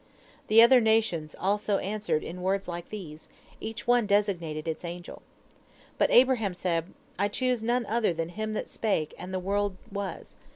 The other nations also answered in words like these, each one designated its angel. But Abraham said: 'I choose none other than Him that spake and the world was.